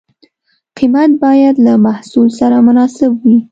قیمت باید له محصول سره مناسب وي.